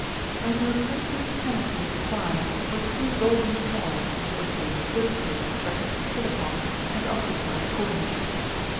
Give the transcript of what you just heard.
Under a crimson canopy in the choir were two golden chairs which they understood they were expected to sit upon, and occupied accordingly.